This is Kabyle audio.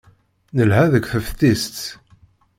Nelḥa deg teftist.